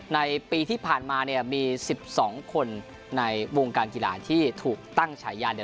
ในปีที่ผ่านมาเนี่ยมี๑๒คนในวงการกีฬาที่ถูกตั้งฉายา